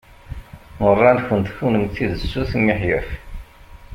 Meṛṛa-nkent kunemti d sut miḥyaf.